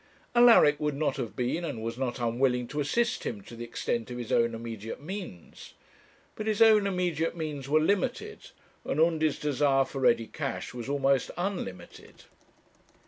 Alaric would not have been, and was not unwilling to assist him to the extent of his own immediate means; but his own immediate means were limited, and Undy's desire for ready cash was almost unlimited.